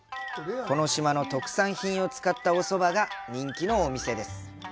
この島の特産品を使ったおそばが人気のお店です。